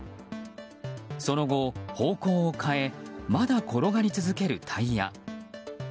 その後、方向を変えまだ転がり続けるタイヤ。